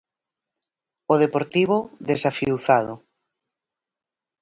O Deportivo, desafiuzado.